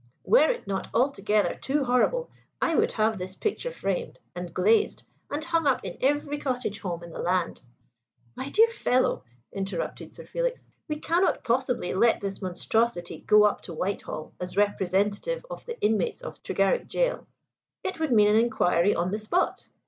Were it not altogether too horrible, I would have this picture framed and glazed and hung up in every cottage home in the land." "My dear fellow," interrupted Sir Felix, "we cannot possibly let this monstrosity go up to Whitehall as representative of the inmates of Tregarrick Gaol! It would mean an inquiry on the spot.